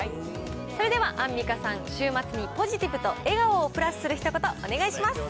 それではアンミカさん、週末にポジティブと笑顔をプラスするひと言、お願いします。